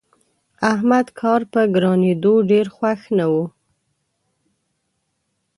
احمد کار په ګرانېدو ډېر خوښ نه وو.